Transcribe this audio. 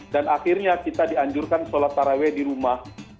dan akhirnya kita dianjurkan sholat taraweh di rumah